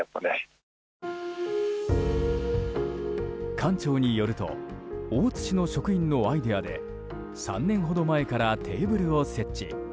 館長によると大津市の職員のアイデアで３年ほど前からテーブルを設置。